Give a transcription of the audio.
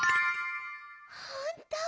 ほんとう